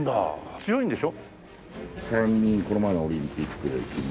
強いんでしょ？